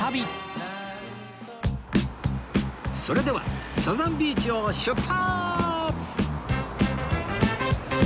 それではサザンビーチを出発！